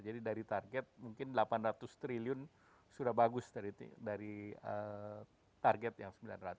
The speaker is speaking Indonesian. jadi dari target mungkin delapan ratus triliun sudah bagus dari target yang sembilan ratus